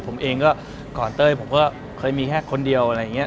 ผมเองก็ก่อนเต้ยผมก็เคยมีแค่คนเดียวอะไรอย่างนี้